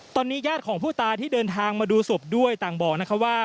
ตอนนี้ญาติของผู้ตายที่เดินทางมาดูศพด้วยต่างบอกนะคะว่า